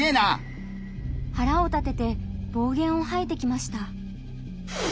はらを立てて暴言をはいてきました。